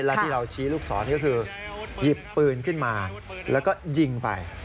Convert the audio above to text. และที่เราชี้ลูกศรก็คือหยิบปืนขึ้นมาแล้วก็ยิงไป